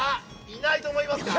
いないと思いますか？